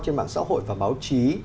trên mạng xã hội và báo chí